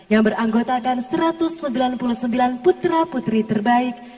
yang beranggotakan satu ratus sembilan puluh sembilan putra putri terbaik